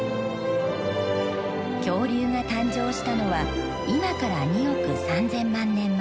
恐竜が誕生したのは今から２億３，０００万年前。